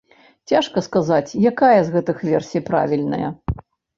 Цяжка сказаць, якая з гэтых версія правільная.